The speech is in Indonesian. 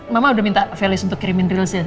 mama udah minta felice untuk kirimin reels ya